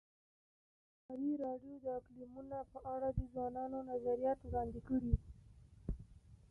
ازادي راډیو د اقلیتونه په اړه د ځوانانو نظریات وړاندې کړي.